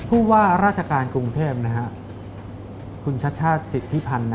ราชการกรุงเทพฯคุณชัชชาสิทธิพันธ์